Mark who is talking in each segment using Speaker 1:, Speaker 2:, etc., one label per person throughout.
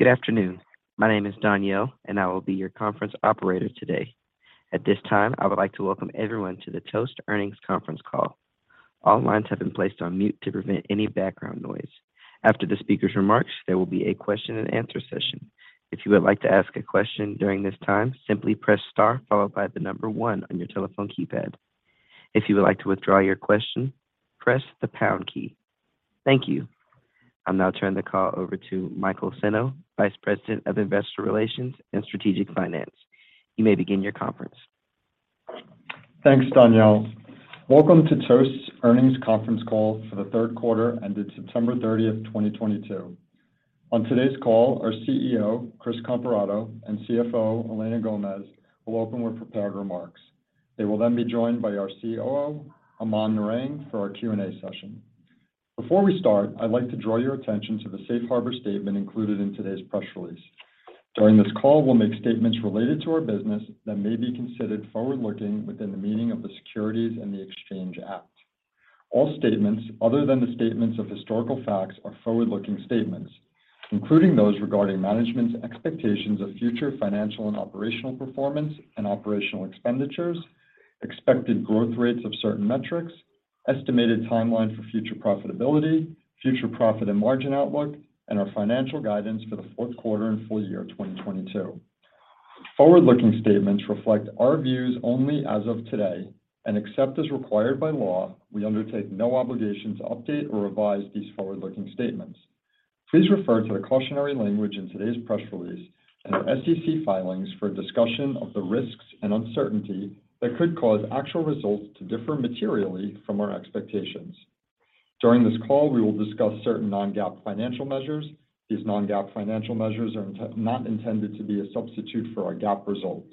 Speaker 1: Good afternoon. My name is Daniel, and I will be your conference operator today. At this time, I would like to welcome everyone to the Toast Earnings Conference Call. All lines have been placed on mute to prevent any background noise. After the speaker's remarks, there will be a question and answer session. If you would like to ask a question during this time, simply press star followed by the number one on your telephone keypad. If you would like to withdraw your question, press the pound key. Thank you. I'll now turn the call over to Michael Senno, Vice President of Investor Relations and Strategic Finance. You may begin your conference.
Speaker 2: Thanks, Daniel. Welcome to Toast's Earnings Conference Call for the third quarter ended September 30th, 2022. On today's call, our CEO, Chris Comparato, and CFO, Elena Gomez, will open with prepared remarks. They will then be joined by our COO, Aman Narang, for our Q&A session. Before we start, I'd like to draw your attention to the Safe Harbor statement included in today's press release. During this call, we'll make statements related to our business that may be considered forward-looking within the meaning of the Securities Exchange Act. All statements other than the statements of historical facts are forward-looking statements, including those regarding management's expectations of future financial and operational performance and operational expenditures, expected growth rates of certain metrics, estimated timeline for future profitability, future profit and margin outlook, and our financial guidance for the fourth quarter and full year 2022. Forward-looking statements reflect our views only as of today, and except as required by law, we undertake no obligation to update or revise these forward-looking statements. Please refer to the cautionary language in today's press release and our SEC filings for a discussion of the risks and uncertainty that could cause actual results to differ materially from our expectations. During this call, we will discuss certain non-GAAP financial measures. These non-GAAP financial measures are not intended to be a substitute for our GAAP results.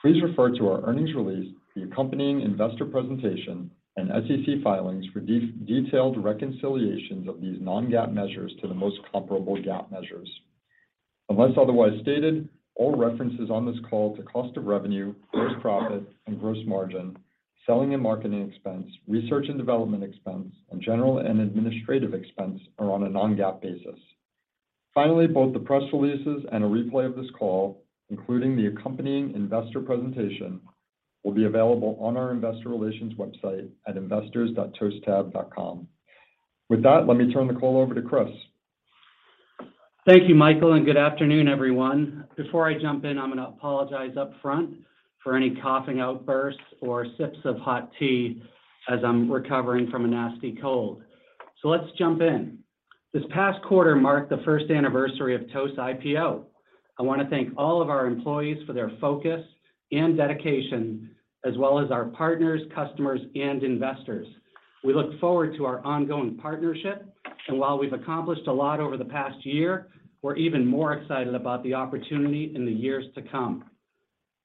Speaker 2: Please refer to our earnings release, the accompanying investor presentation, and SEC filings for detailed reconciliations of these non-GAAP measures to the most comparable GAAP measures. Unless otherwise stated, all references on this call to cost of revenue, gross profit and gross margin, selling and marketing expense, research and development expense, and general and administrative expense are on a non-GAAP basis. Finally, both the press releases and a replay of this call, including the accompanying investor presentation, will be available on our investor relations website at investors.toasttab.com. With that, let me turn the call over to Chris.
Speaker 3: Thank you, Michael, and good afternoon, everyone. Before I jump in, I'm going to apologize up front for any coughing outbursts or sips of hot tea as I'm recovering from a nasty cold. Let's jump in. This past quarter marked the first anniversary of Toast IPO. I want to thank all of our employees for their focus and dedication, as well as our partners, customers, and investors. We look forward to our ongoing partnership, and while we've accomplished a lot over the past year, we're even more excited about the opportunity in the years to come.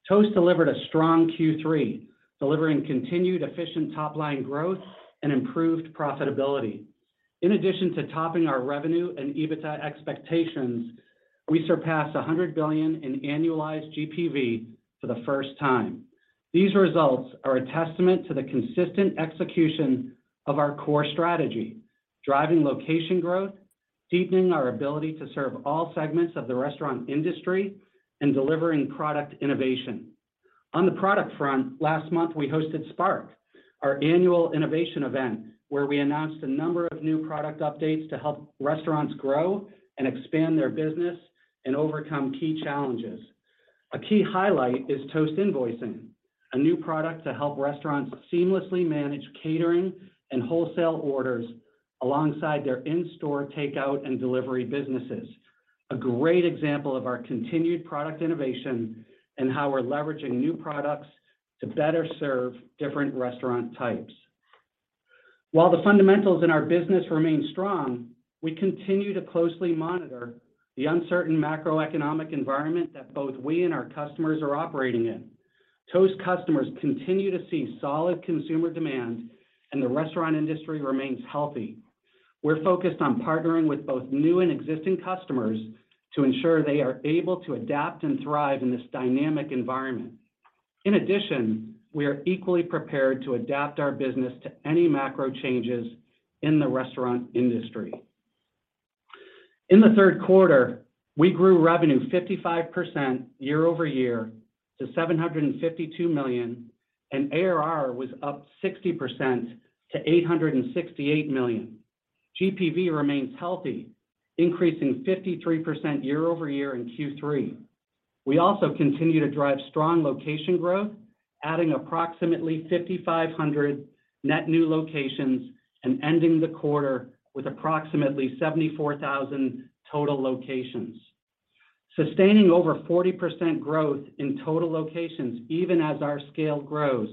Speaker 3: Toast delivered a strong Q3, delivering continued efficient top-line growth and improved profitability. In addition to topping our revenue and EBITDA expectations, we surpassed 100 billion in annualized GPV for the first time. These results are a testament to the consistent execution of our core strategy, driving location growth, deepening our ability to serve all segments of the restaurant industry, and delivering product innovation. On the product front, last month, we hosted Spark, our annual innovation event, where we announced a number of new product updates to help restaurants grow and expand their business and overcome key challenges. A key highlight is Toast Invoicing, a new product to help restaurants seamlessly manage catering and wholesale orders alongside their in-store takeout and delivery businesses. A great example of our continued product innovation and how we're leveraging new products to better serve different restaurant types. While the fundamentals in our business remain strong, we continue to closely monitor the uncertain macroeconomic environment that both we and our customers are operating in. Toast customers continue to see solid consumer demand, and the restaurant industry remains healthy. We're focused on partnering with both new and existing customers to ensure they are able to adapt and thrive in this dynamic environment. In addition, we are equally prepared to adapt our business to any macro changes in the restaurant industry. In the third quarter, we grew revenue 55% year-over-year to $752 million, and ARR was up 60% to $868 million. GPV remains healthy, increasing 53% year-over-year in Q3. We also continue to drive strong location growth, adding approximately 5,500 net new locations and ending the quarter with approximately 74,000 total locations. Sustaining over 40% growth in total locations, even as our scale grows,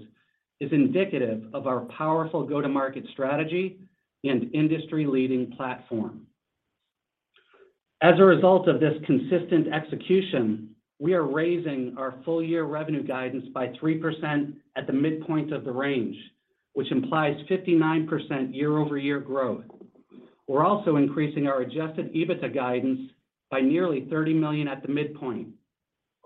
Speaker 3: is indicative of our powerful go-to-market strategy and industry-leading platform. As a result of this consistent execution, we are raising our full-year revenue guidance by 3% at the midpoint of the range, which implies 59% year-over-year growth. We're also increasing our adjusted EBITDA guidance by nearly $30 million at the midpoint.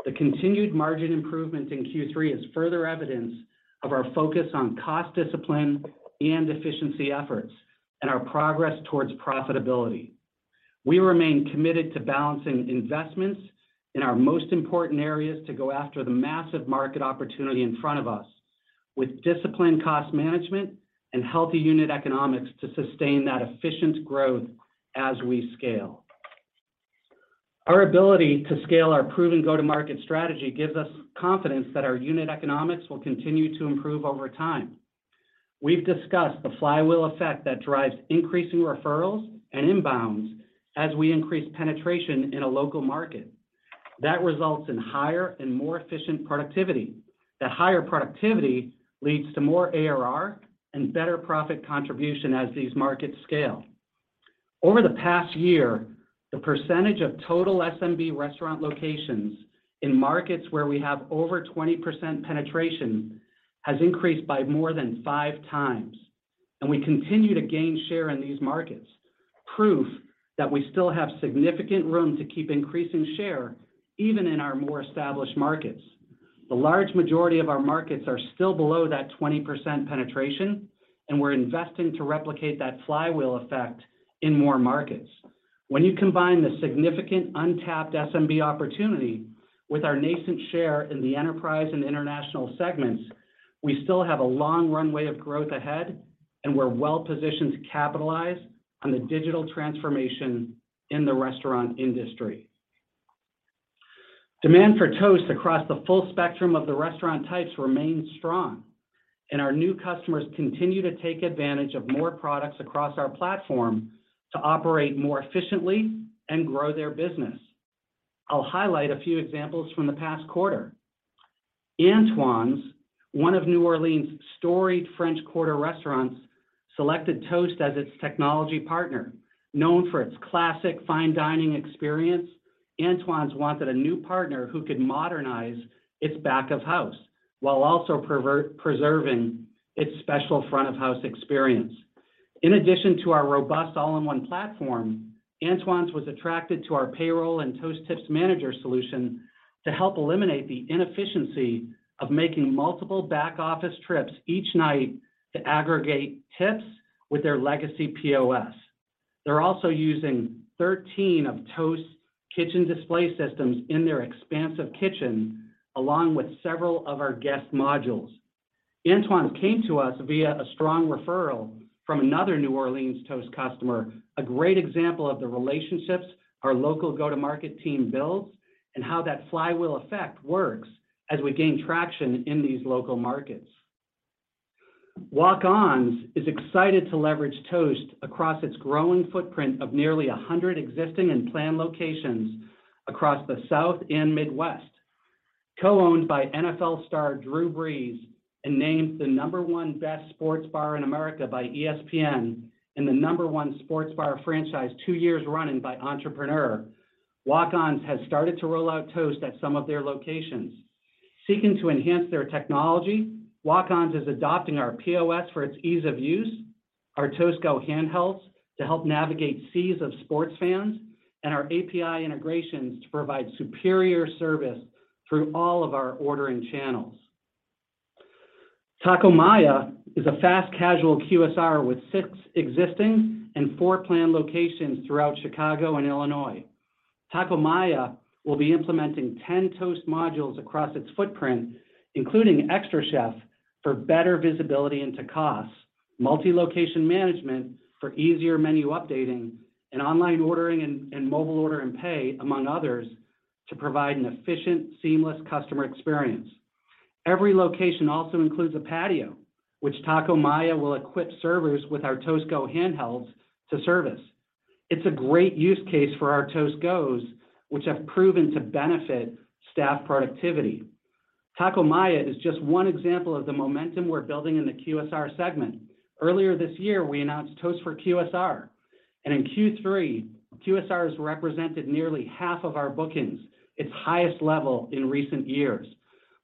Speaker 3: The continued margin improvements in Q3 are further evidence of our focus on cost discipline and efficiency efforts and our progress towards profitability. We remain committed to balancing investments in our most important areas to go after the massive market opportunity in front of us with disciplined cost management and healthy unit economics to sustain that efficient growth as we scale. Our ability to scale our proven go-to-market strategy gives us confidence that our unit economics will continue to improve over time. We've discussed the flywheel effect that drives increasing referrals and inbounds as we increase penetration in a local market. That results in higher and more efficient productivity. That higher productivity leads to more ARR and better profit contribution as these markets scale. Over the past year, the percentage of total SMB restaurant locations in markets where we have over 20% penetration has increased by more than five times, and we continue to gain share in these markets. Proof that we still have significant room to keep increasing share even in our more established markets. The large majority of our markets are still below that 20% penetration, and we're investing to replicate that flywheel effect in more markets. When you combine the significant untapped SMB opportunity with our nascent share in the enterprise and international segments, we still have a long runway of growth ahead, and we're well-positioned to capitalize on the digital transformation in the restaurant industry. Demand for Toast across the full spectrum of the restaurant types remains strong, and our new customers continue to take advantage of more products across our platform to operate more efficiently and grow their business. I'll highlight a few examples from the past quarter. Antoine's, one of New Orleans' storied French Quarter restaurants, selected Toast as its technology partner. Known for its classic fine dining experience, Antoine's wanted a new partner who could modernize its back of house while also preserving its special front of house experience. In addition to our robust all-in-one platform, Antoine's was attracted to our payroll and Toast Tips Manager solution to help eliminate the inefficiency of making multiple back-office trips each night to aggregate tips with their legacy POS. They're also using 13 of Toast kitchen display systems in their expansive kitchen, along with several of our guest modules. Antoine's came to us via a strong referral from another New Orleans Toast customer. A great example of the relationships our local go-to-market team builds and how that flywheel effect works as we gain traction in these local markets. Walk-On's is excited to leverage Toast across its growing footprint of nearly 100 existing and planned locations across the South and Midwest. Co-owned by NFL star Drew Brees and named the No. 1 best sports bar in America by ESPN and the No. 1 sports bar franchise two years running by Entrepreneur, Walk-On's has started to roll out Toast at some of their locations. Seeking to enhance their technology, Walk-On's is adopting our POS for its ease of use, our Toast Go handhelds to help navigate seas of sports fans, and our API integrations to provide superior service through all of our ordering channels. Taco Maya is a fast casual QSR with six existing and four planned locations throughout Chicago and Illinois. Taco Maya will be implementing 10 Toast modules across its footprint, including xtraCHEF for better visibility into costs, multi-location management for easier menu updating, and online ordering and mobile order and pay, among others, to provide an efficient, seamless customer experience. Every location also includes a patio, which Taco Maya will equip servers with our Toast Go handhelds to service. It's a great use case for our Toast Gos, which have proven to benefit staff productivity. Taco Maya is just one example of the momentum we're building in the QSR segment. Earlier this year, we announced Toast for QSR, and in Q3, QSR has represented nearly half of our bookings, its highest level in recent years.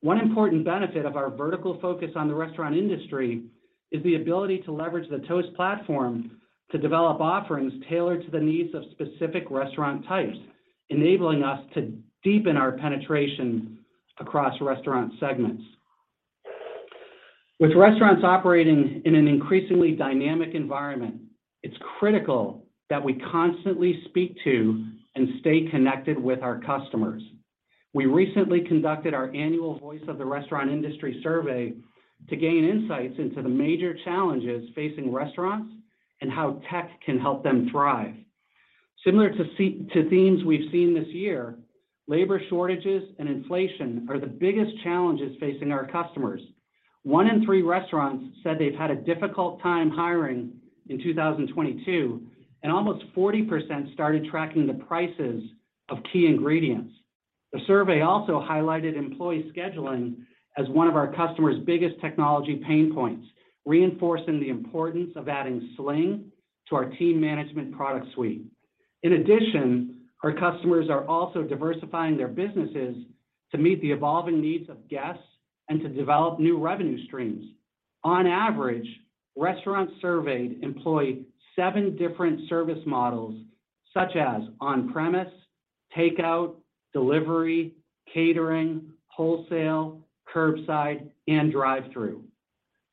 Speaker 3: One important benefit of our vertical focus on the restaurant industry is the ability to leverage the Toast platform to develop offerings tailored to the needs of specific restaurant types, enabling us to deepen our penetration across restaurant segments. With restaurants operating in an increasingly dynamic environment, it's critical that we constantly speak to and stay connected with our customers. We recently conducted our annual Voice of the Restaurant Industry survey to gain insights into the major challenges facing restaurants and how tech can help them thrive. Similar to themes we've seen this year, labor shortages and inflation are the biggest challenges facing our customers. One in three restaurants said they've had a difficult time hiring in 2022, and almost 40% started tracking the prices of key ingredients. The survey also highlighted employee scheduling as one of our customers' biggest technology pain points, reinforcing the importance of adding Sling to our team management product suite. In addition, our customers are also diversifying their businesses to meet the evolving needs of guests and to develop new revenue streams. On average, restaurants surveyed employ seven different service models, such as on-premise, takeout, delivery, catering, wholesale, curbside, and drive-thru.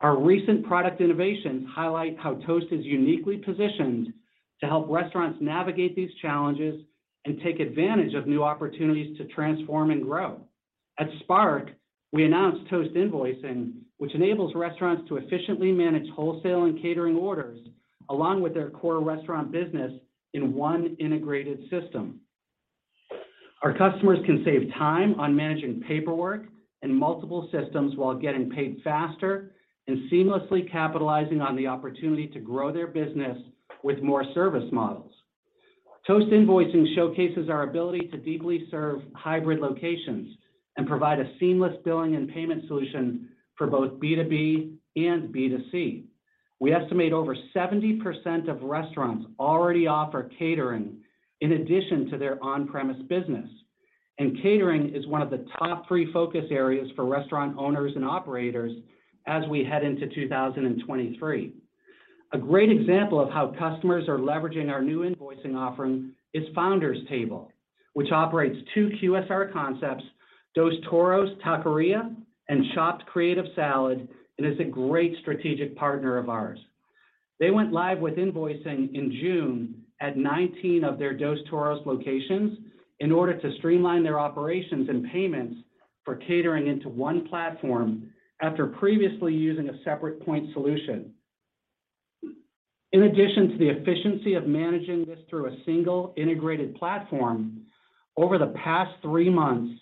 Speaker 3: Our recent product innovations highlight how Toast is uniquely positioned to help restaurants navigate these challenges and take advantage of new opportunities to transform and grow. At Spark, we announced Toast Invoicing, which enables restaurants to efficiently manage wholesale and catering orders along with their core restaurant business in one integrated system. Our customers can save time on managing paperwork and multiple systems while getting paid faster and seamlessly capitalizing on the opportunity to grow their business with more service models. Toast Invoicing showcases our ability to deeply serve hybrid locations and provide a seamless billing and payment solution for both B2B and B2C. We estimate over 70% of restaurants already offer catering in addition to their on-premise business, and catering is one of the top three focus areas for restaurant owners and operators as we head into 2023. A great example of how customers are leveraging our new invoicing offering is Founder's Table, which operates two QSR concepts, Dos Toros Taqueria and Chopt Creative Salad, and is a great strategic partner of ours. They went live with invoicing in June at 19 of their Dos Toros locations in order to streamline their operations and payments for catering into one platform after previously using a separate point solution. In addition to the efficiency of managing this through a single integrated platform, over the past three months,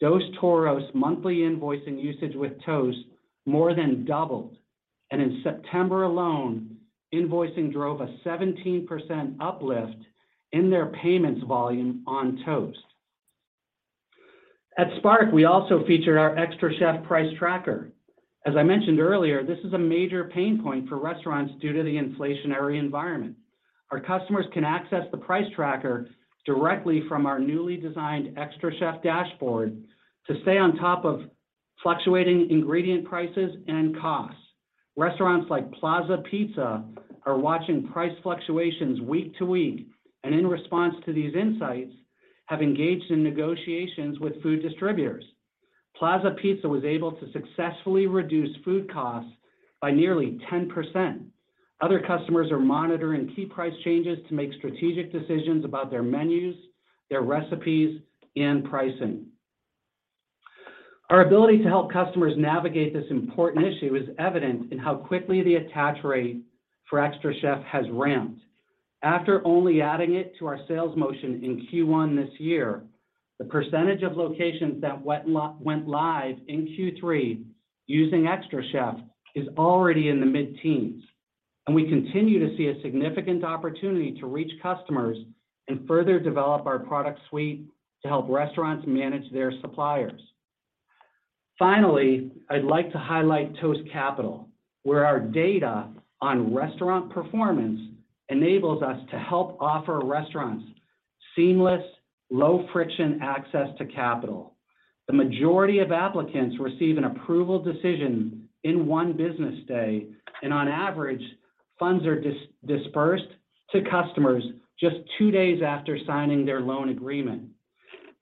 Speaker 3: Dos Toros' monthly invoicing usage with Toast more than doubled. In September alone, invoicing drove a 17% uplift in their payments volume on Toast. At Spark, we also featured our xtraCHEF Price Tracker. As I mentioned earlier, this is a major pain point for restaurants due to the inflationary environment. Our customers can access the Price Tracker directly from our newly designed xtraCHEF dashboard to stay on top of fluctuating ingredient prices and costs. Restaurants like Plaza Pizza are watching price fluctuations week to week, and in response to these insights, have engaged in negotiations with food distributors. Plaza Pizza was able to successfully reduce food costs by nearly 10%. Other customers are monitoring key price changes to make strategic decisions about their menus, their recipes, and pricing. Our ability to help customers navigate this important issue is evident in how quickly the attach rate for xtraCHEF has ramped. After only adding it to our sales motion in Q1 this year, the percentage of locations that went live in Q3 using xtraCHEF is already in the mid-teens, and we continue to see a significant opportunity to reach customers and further develop our product suite to help restaurants manage their suppliers. Finally, I'd like to highlight Toast Capital, where our data on restaurant performance enables us to help offer restaurants seamless, low-friction access to capital. The majority of applicants receive an approval decision in one business day, and on average, funds are disbursed to customers just two days after signing their loan agreement.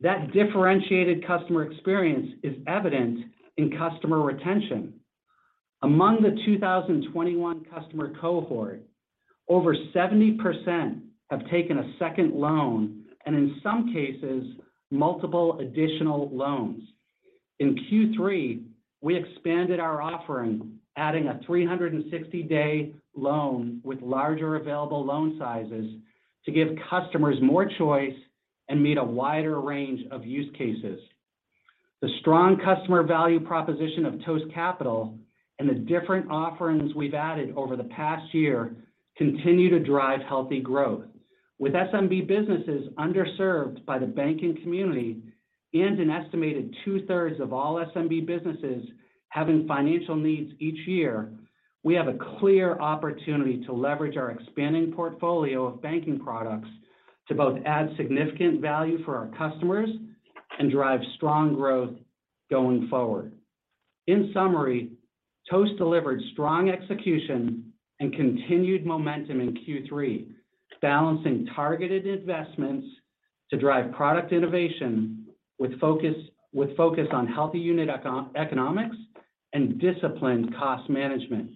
Speaker 3: That differentiated customer experience is evident in customer retention. Among the 2021 customer cohort, over 70% have taken a second loan, and in some cases, multiple additional loans. In Q3, we expanded our offering, adding a 360-day loan with larger available loan sizes to give customers more choice and meet a wider range of use cases. The strong customer value proposition of Toast Capital and the different offerings we've added over the past year continue to drive healthy growth. With SMB businesses underserved by the banking community and an estimated two-thirds of all SMB businesses having financial needs each year, we have a clear opportunity to leverage our expanding portfolio of banking products to both add significant value for our customers and drive strong growth going forward. In summary, Toast delivered strong execution and continued momentum in Q3, balancing targeted investments to drive product innovation with focus on healthy unit economics and disciplined cost management.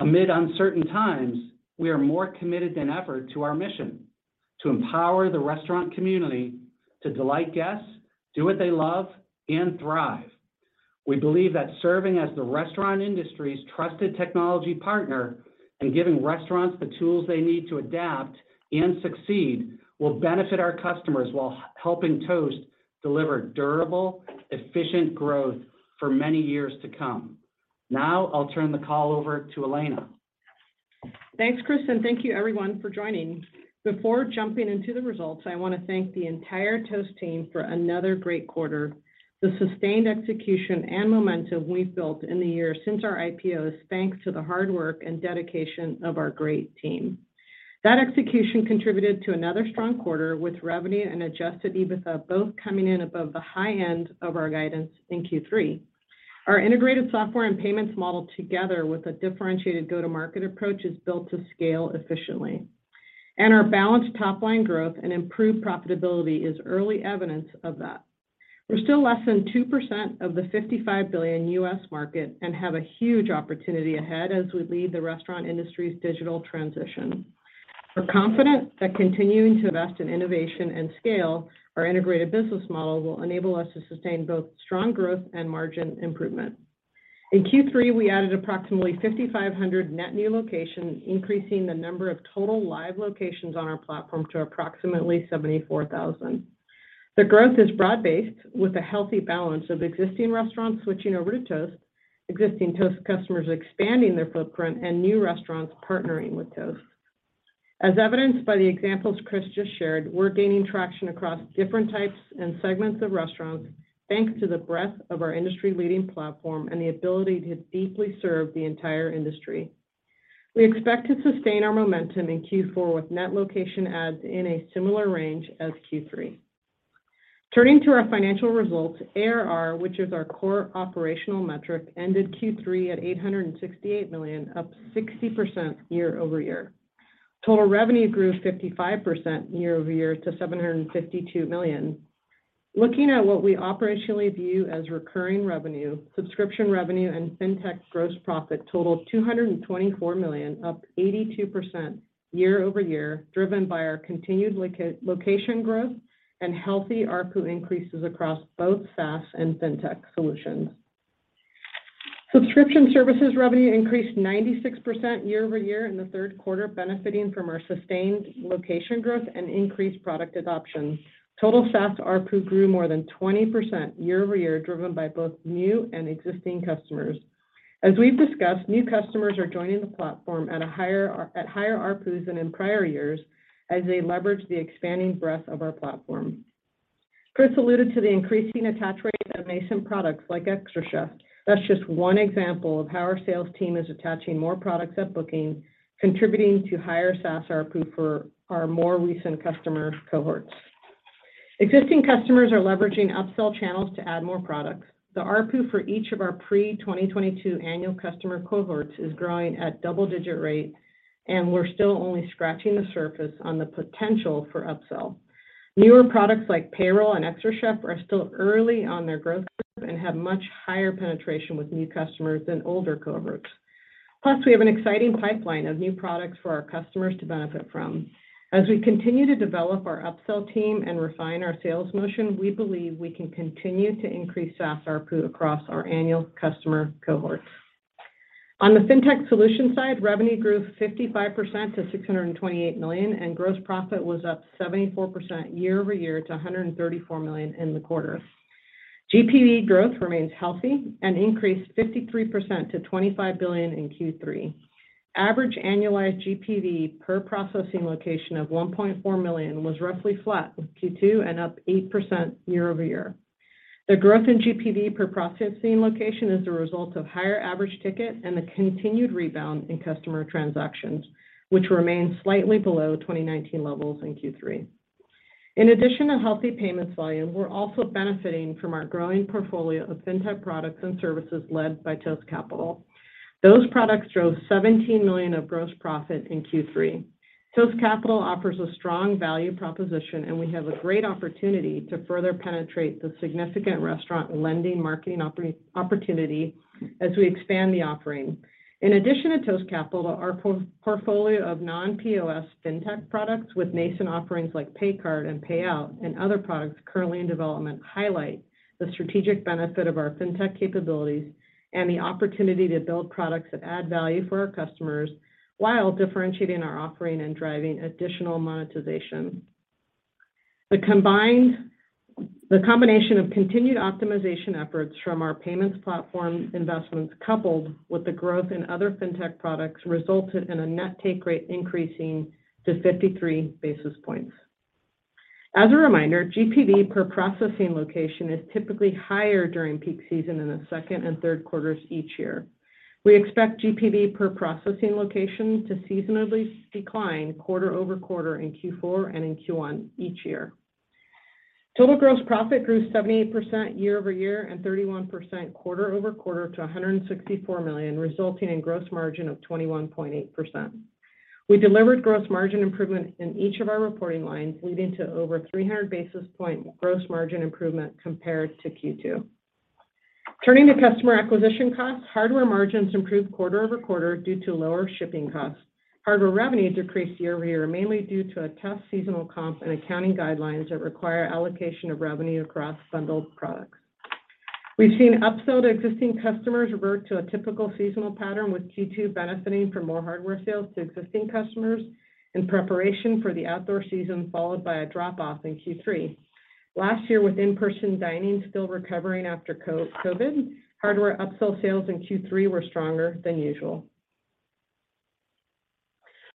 Speaker 3: Amid uncertain times, we are more committed than ever to our mission to empower the restaurant community to delight guests, do what they love, and thrive. We believe that serving as the restaurant industry's trusted technology partner and giving restaurants the tools they need to adapt and succeed will benefit our customers while helping Toast deliver durable, efficient growth for many years to come. Now, I'll turn the call over to Elena.
Speaker 4: Thanks, Chris, and thank you everyone for joining. Before jumping into the results, I want to thank the entire Toast team for another great quarter. The sustained execution and momentum we've built in the years since our IPO is thanks to the hard work and dedication of our great team. That execution contributed to another strong quarter, with revenue and adjusted EBITDA both coming in above the high end of our guidance in Q3. Our integrated software and payments model together with a differentiated go-to-market approach is built to scale efficiently. Our balanced top line growth and improved profitability is early evidence of that. We're still less than 2% of the $55 billion U.S. market and have a huge opportunity ahead as we lead the restaurant industry's digital transition. We're confident that continuing to invest in innovation and scale, our integrated business model will enable us to sustain both strong growth and margin improvement. In Q3, we added approximately 5,500 net new locations, increasing the number of total live locations on our platform to approximately 74,000. The growth is broad-based with a healthy balance of existing restaurants switching over to Toast, existing Toast customers expanding their footprint, and new restaurants partnering with Toast. As evidenced by the examples Chris just shared, we're gaining traction across different types and segments of restaurants thanks to the breadth of our industry-leading platform and the ability to deeply serve the entire industry. We expect to sustain our momentum in Q4 with net location adds in a similar range as Q3. Turning to our financial results, ARR, which is our core operational metric, ended Q3 at $868 million, up 60% year-over-year. Total revenue grew 55% year-over-year to $752 million. Looking at what we operationally view as recurring revenue, subscription revenue, and fintech gross profit totaled $224 million, up 82% year-over-year, driven by our continued location growth and healthy ARPU increases across both SaaS and fintech solutions. Subscription services revenue increased 96% year-over-year in the third quarter, benefiting from our sustained location growth and increased product adoption. Total SaaS ARPU grew more than 20% year-over-year, driven by both new and existing customers. As we've discussed, new customers are joining the platform at a higher... At higher ARPUs than in prior years as they leverage the expanding breadth of our platform. Chris alluded to the increasing attach rate of nascent products like xtraCHEF. That's just one example of how our sales team is attaching more products at booking, contributing to higher SaaS ARPU for our more recent customer cohorts. Existing customers are leveraging upsell channels to add more products. The ARPU for each of our pre-2022 annual customer cohorts is growing at double-digit rate, and we're still only scratching the surface on the potential for upsell. Newer products like Payroll and xtraCHEF are still early on their growth curve and have much higher penetration with new customers than older cohorts. Plus, we have an exciting pipeline of new products for our customers to benefit from. As we continue to develop our upsell team and refine our sales motion, we believe we can continue to increase SaaS ARPU across our annual customer cohorts. On the fintech solution side, revenue grew 55% to $628 million, and gross profit was up 74% year-over-year to $134 million in the quarter. GPV growth remains healthy and increased 53% to $25 billion in Q3. Average annualized GPV per processing location of $1.4 million was roughly flat with Q2 and up 8% year-over-year. The growth in GPV per processing location is a result of higher average ticket and the continued rebound in customer transactions, which remain slightly below 2019 levels in Q3. In addition to healthy payments volume, we're also benefiting from our growing portfolio of fintech products and services led by Toast Capital. Those products drove $17 million of gross profit in Q3. Toast Capital offers a strong value proposition, and we have a great opportunity to further penetrate the significant restaurant lending market opportunity as we expand the offering. In addition to Toast Capital, our portfolio of non-POS fintech products with nascent offerings like pay card and payout and other products currently in development highlight the strategic benefit of our fintech capabilities and the opportunity to build products that add value for our customers while differentiating our offering and driving additional monetization. The combination of continued optimization efforts from our payments platform investments coupled with the growth in other fintech products resulted in a net take rate increasing to 53 basis points. As a reminder, GPV per processing location is typically higher during peak season in the second and third quarters each year. We expect GPV per processing location to seasonally decline quarter over quarter in Q4 and in Q1 each year. Total gross profit grew 78% year-over-year and 31% quarter over quarter to $164 million, resulting in gross margin of 21.8%. We delivered gross margin improvement in each of our reporting lines, leading to over 300 basis point gross margin improvement compared to Q2. Turning to customer acquisition costs, hardware margins improved quarter over quarter due to lower shipping costs. Hardware revenue decreased year-over-year, mainly due to a tough seasonal comp and accounting guidelines that require allocation of revenue across bundled products. We've seen upsell to existing customers revert to a typical seasonal pattern, with Q2 benefiting from more hardware sales to existing customers in preparation for the outdoor season, followed by a drop-off in Q3. Last year, with in-person dining still recovering after COVID, hardware upsell sales in Q3 were stronger than usual.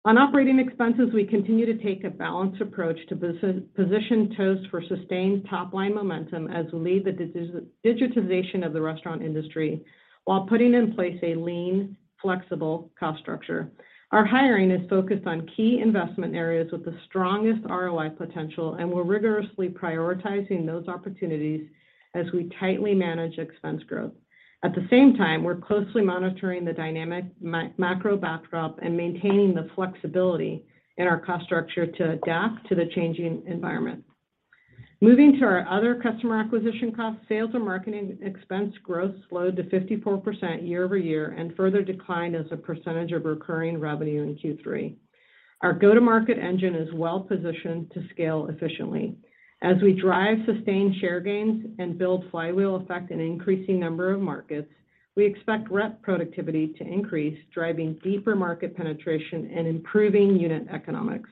Speaker 4: On operating expenses, we continue to take a balanced approach to position Toast for sustained top-line momentum as we lead the digitization of the restaurant industry while putting in place a lean, flexible cost structure. Our hiring is focused on key investment areas with the strongest ROI potential, and we're rigorously prioritizing those opportunities as we tightly manage expense growth. At the same time, we're closely monitoring the dynamic macro backdrop and maintaining the flexibility in our cost structure to adapt to the changing environment. Moving to our other customer acquisition costs, sales and marketing expense growth slowed to 54% year-over-year and further declined as a percentage of recurring revenue in Q3. Our go-to-market engine is well positioned to scale efficiently. As we drive sustained share gains and build flywheel effect in an increasing number of markets, we expect rep productivity to increase, driving deeper market penetration and improving unit economics.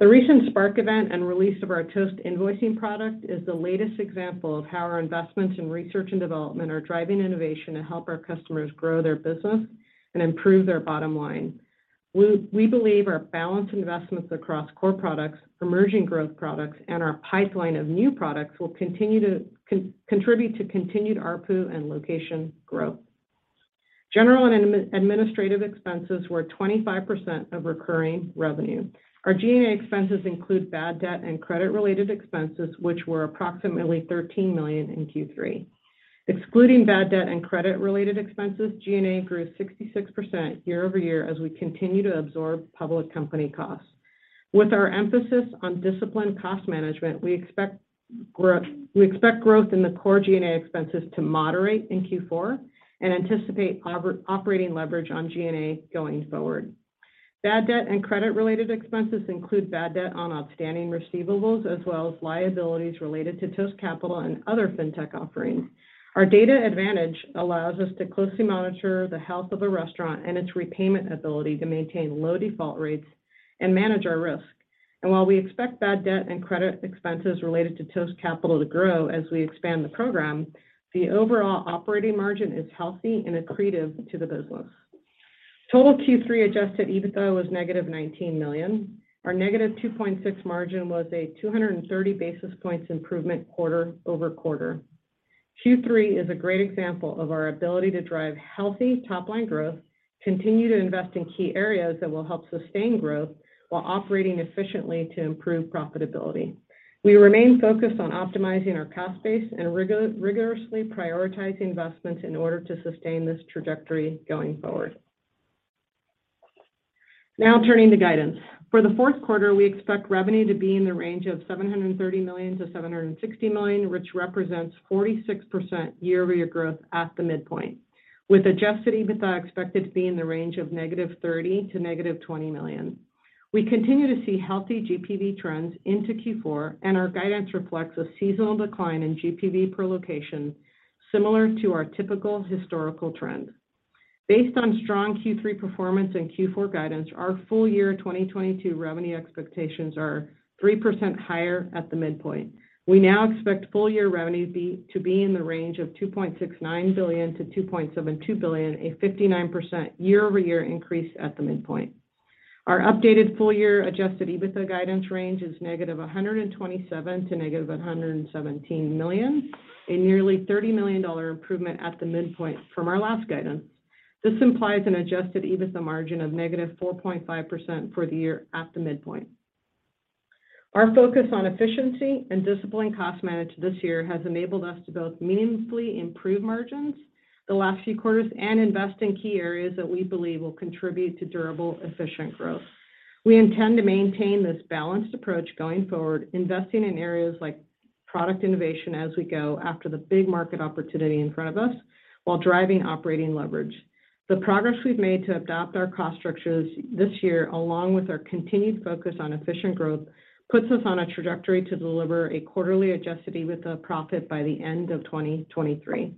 Speaker 4: The recent Spark event and release of our Toast Invoicing product is the latest example of how our investments in research and development are driving innovation to help our customers grow their business and improve their bottom line. We believe our balanced investments across core products, emerging growth products, and our pipeline of new products will continue to contribute to continued ARPU and location growth. General and administrative expenses were 25% of recurring revenue. Our G&A expenses include bad debt and credit-related expenses, which were approximately $13 million in Q3. Excluding bad debt and credit-related expenses, G&A grew 66% year-over-year as we continue to absorb public company costs. With our emphasis on disciplined cost management, we expect growth in the core G&A expenses to moderate in Q4 and anticipate operating leverage on G&A going forward. Bad debt and credit-related expenses include bad debt on outstanding receivables, as well as liabilities related to Toast Capital and other fintech offerings. Our data advantage allows us to closely monitor the health of a restaurant and its repayment ability to maintain low default rates and manage our risk. While we expect bad debt and credit expenses related to Toast Capital to grow as we expand the program, the overall operating margin is healthy and accretive to the business. Total Q3 adjusted EBITDA was negative $19 million. Our negative 2.6% margin was a 230 basis points improvement quarter-over-quarter. Q3 is a great example of our ability to drive healthy top-line growth, continue to invest in key areas that will help sustain growth while operating efficiently to improve profitability. We remain focused on optimizing our cost base and rigorously prioritizing investments in order to sustain this trajectory going forward. Now turning to guidance. For the fourth quarter, we expect revenue to be in the range of $730 million-$760 million, which represents 46% year-over-year growth at the midpoint, with adjusted EBITDA expected to be in the range of -$30 million to -$20 million. We continue to see healthy GPV trends into Q4, and our guidance reflects a seasonal decline in GPV per location similar to our typical historical trend. Based on strong Q3 performance and Q4 guidance, our full year 2022 revenue expectations are 3% higher at the midpoint. We now expect full year revenue to be in the range of $2.69 billion-$2.72 billion, a 59% year-over-year increase at the midpoint. Our updated full year adjusted EBITDA guidance range is -$127 million to -$117 million, a nearly $30 million improvement at the midpoint from our last guidance. This implies an adjusted EBITDA margin of -4.5% for the year at the midpoint. Our focus on efficiency and disciplined cost management this year has enabled us to both meaningfully improve margins in the last few quarters and invest in key areas that we believe will contribute to durable, efficient growth. We intend to maintain this balanced approach going forward, investing in areas like product innovation as we go after the big market opportunity in front of us while driving operating leverage. The progress we've made to adapt our cost structures this year, along with our continued focus on efficient growth, puts us on a trajectory to deliver a quarterly adjusted EBITDA profit by the end of 2023.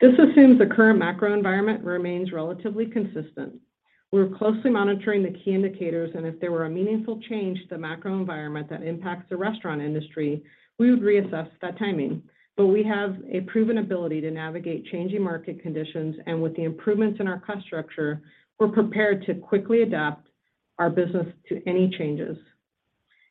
Speaker 4: This assumes the current macro environment remains relatively consistent. We're closely monitoring the key indicators, and if there were a meaningful change to the macro environment that impacts the restaurant industry, we would reassess that timing. We have a proven ability to navigate changing market conditions, and with the improvements in our cost structure, we're prepared to quickly adapt our business to any changes.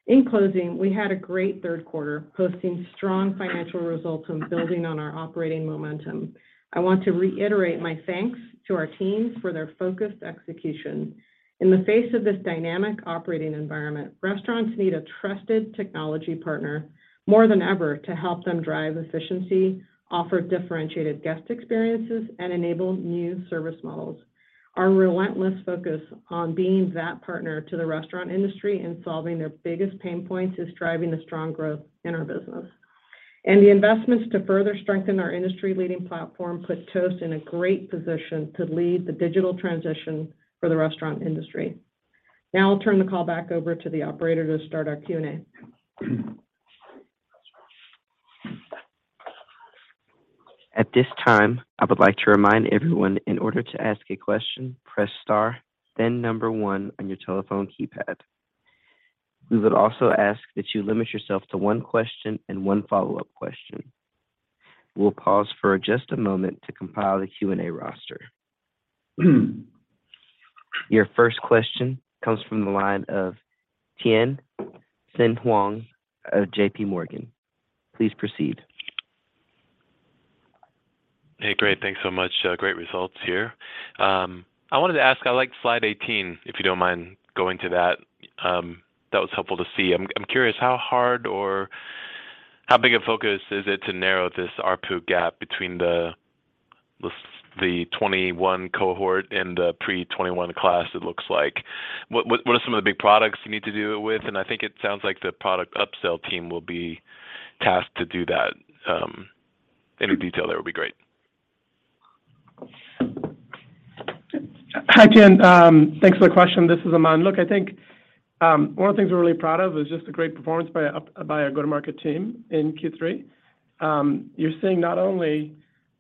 Speaker 4: In closing, we had a great third quarter, posting strong financial results and building on our operating momentum. I want to reiterate my thanks to our teams for their focused execution. In the face of this dynamic operating environment, restaurants need a trusted technology partner more than ever to help them drive efficiency, offer differentiated guest experiences, and enable new service models. Our relentless focus on being that partner to the restaurant industry and solving their biggest pain points is driving the strong growth in our business. The investments to further strengthen our industry-leading platform put Toast in a great position to lead the digital transition for the restaurant industry. Now I'll turn the call back over to the operator to start our Q&A.
Speaker 1: At this time, I would like to remind everyone in order to ask a question, press star then number one on your telephone keypad. We would also ask that you limit yourself to one question and one follow-up question. We'll pause for just a moment to compile the Q&A roster. Your first question comes from the line of Tien-tsin Huang of JPMorgan. Please proceed.
Speaker 5: Hey, great. Thanks so much. Great results here. I wanted to ask, I like slide 18, if you don't mind going to that. That was helpful to see. I'm curious how hard or how big a focus is it to narrow this ARPU gap between the 2021 cohort and the pre-2021 class, it looks like. What are some of the big products you need to do it with? I think it sounds like the product upsell team will be tasked to do that. Any detail there would be great.
Speaker 6: Hi, Tien. Thanks for the question. This is Aman. Look, I think, one of the things we're really proud of is just the great performance by our go-to-market team in Q3. You're seeing not only